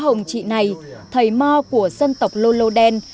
hồng trị này thầy mo của dân tộc lô lô đen